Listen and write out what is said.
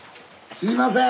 すいません。